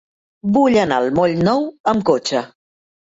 Vull anar al moll Nou amb cotxe.